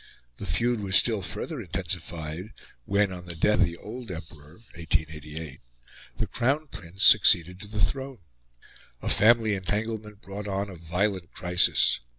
The feud was still further intensified when, on the death of the old Emperor (1888), the Crown Prince succeeded to the throne. A family entanglement brought on a violent crisis.